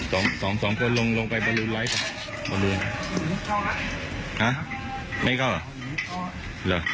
สองสองสองคนลงลงไปบรรยูไลค์บรรยูอ่ะไม่เข้าหรอ